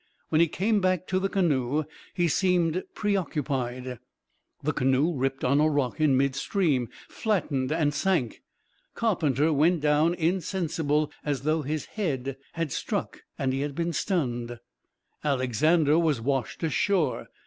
When he came back to the canoe, he seemed preoccupied. The canoe ripped on a rock in midstream, flattened, and sank. Carpenter went down insensible as though his head had struck and he had been stunned. Alexander was washed ashore.